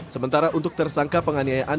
sementara untuk tersangka penganiayaan